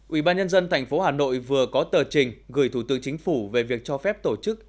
ủy ban nhân dân tp hà nội vừa có tờ trình gửi thủ tướng chính phủ về việc cho phép tổ chức